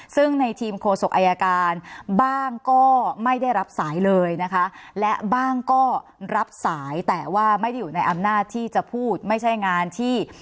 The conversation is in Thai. ซึ่งในทีมโคศกอายการบ้างก็ไม่ได้รับสายเลยนะคะและบ้างก็รับสายแต่ว่าไม่ได้อยู่ในอำนาจที่จะพูดไม่ใช่งานที่